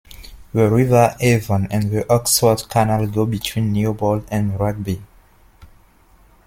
The River Avon and the Oxford Canal go between Newbold and Rugby.